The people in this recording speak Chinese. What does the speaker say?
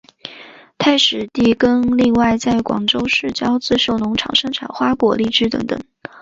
太史第更另外在广州市郊自设农场生产花果荔枝等等。